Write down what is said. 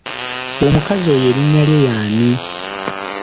Omukazi oyo erinnya lye ye ani?